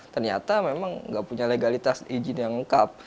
ternyata memang nggak punya legalitas izin yang lengkap